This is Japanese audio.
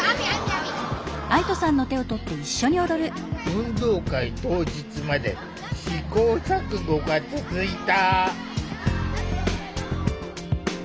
運動会当日まで試行錯誤が続いた。